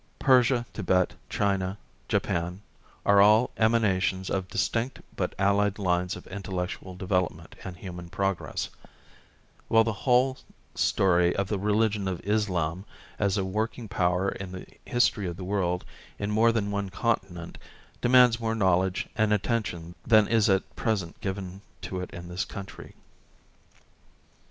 Persia.Tibet, China, Japan areall emanations of distinct but allied lines of intellectual develop ment and human progress, while the whole story of the religion of Islam, as a working power in the history of the world in more than one continent, demands more knowledge and attention than is at present given to it in this country.